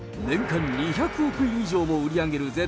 年間２００億以上も売り上げる